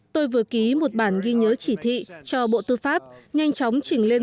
tôi vừa ký một bản ghi nhớ chỉ thị cho bộ tư pháp nhanh chóng trình lên